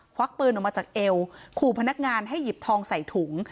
วักปืนออกมาจากเอวขู่พนักงานให้หยิบทองใส่ถุง